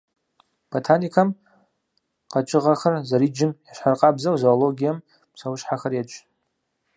Ботаникэм къэкӏыгъэхэр зэриджым ещхьыркъабзэу, зоологием псэущхьэхэр едж.